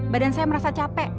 badan saya merasa capek